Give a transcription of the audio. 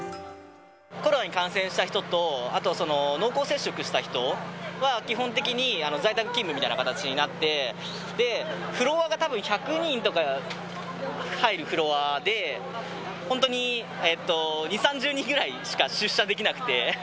コロナに感染した人と、あと濃厚接触した人は基本的に在宅勤務みたいな形になって、で、フロアがたぶん１００人とか入るフロアで、本当に２、３０人ぐらいしか出社できなくて。